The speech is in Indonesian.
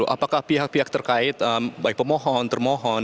dua belas tiga puluh apakah pihak pihak terkait baik pemohon termohon